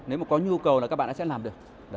nếu mà có nhu cầu là các bạn ấy sẽ làm được